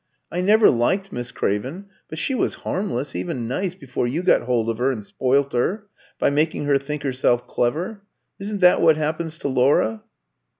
I never liked Miss Craven, but she was harmless, even nice, before you got hold of her and spoilt her, by making her think herself clever. Isn't that what happens to Laura?"